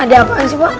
ada apaan sih pak